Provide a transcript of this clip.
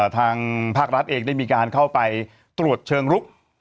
ทางภาครัฐเองได้มีการเข้าไปตรวจเชิงลุก